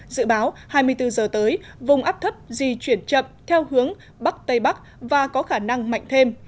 dự báo hai mươi bốn giờ tới vùng áp thấp di chuyển chậm theo hướng bắc tây bắc và có khả năng mạnh thêm